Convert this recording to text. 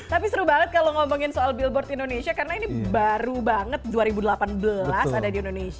tapi seru banget kalau ngomongin soal billboard indonesia karena ini baru banget dua ribu delapan belas ada di indonesia